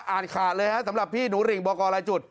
อ่านขาดเลยฮะสำหรับพี่หนูริ่งบอกกรรายจุด